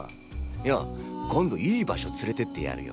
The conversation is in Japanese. よぉ今度いい場所連れてってやるよ。